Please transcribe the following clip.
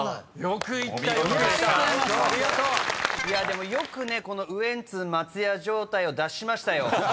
でもよくねこのウエンツ・松也状態を脱しましたよ。